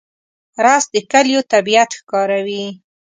رس د کلیو طبیعت ښکاروي